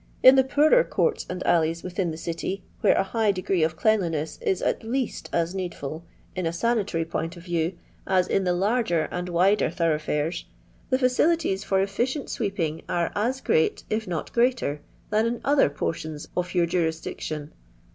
In the poorer courti and alleys within the city, where a high degree of cleanliness is, at least, as needful, in a sanitary point of view, as in the larger and wider thorough fiires, the £Eu^lities for efficient sweeping are as grea^ if not greater, than in other portions oH your jurisdiction.